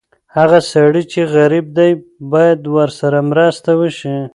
هغه سړی چې غریب دی، باید ورسره مرسته وشي.